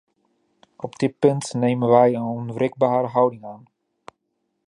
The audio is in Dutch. Op dit punt nemen wij een onwrikbare houding aan.